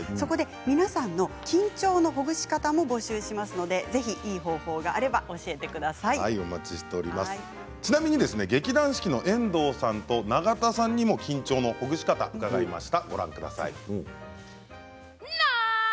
皆さんの緊張のほぐし方も募集しますので、いい方法が劇団四季の遠藤さんと永田さんにも緊張のほぐし方を伺いました。